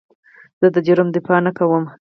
زه د جرم دفاع نه کوم.